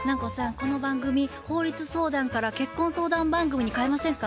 この番組法律相談から結婚相談番組に変えませんか？